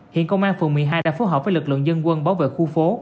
hiện công an phường một mươi hai đã phối hợp với lực lượng dân quân bảo vệ khu phố